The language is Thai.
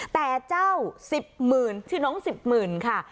แต่เจ้า๑๐หมื่นชื่อน้อง๑๐หมื่นค่ะ